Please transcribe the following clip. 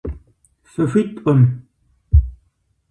Фыхуиткъым!